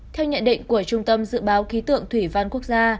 theo nhận định của trung tâm dự báo khí tượng thủy văn quốc gia